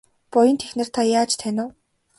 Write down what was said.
Буянт эхнэр та яаж танив?